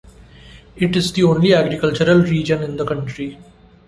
It is the only agricultural region in the country.